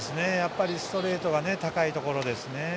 ストレートがやはり高いところですね。